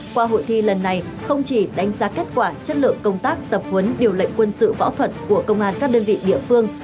qua hội thi lần này không chỉ đánh giá kết quả chất lượng công tác tập huấn điều lệnh quân sự võ thuật của công an các đơn vị địa phương